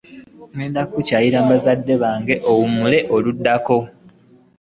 Ŋŋenda kukyalira bazadde bange oluwummula oluddako.